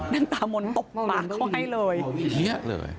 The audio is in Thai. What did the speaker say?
นางตามนตบปากเขาให้เลยเหี้ยเลย